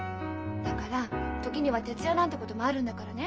だから時には徹夜なんてこともあるんだからね。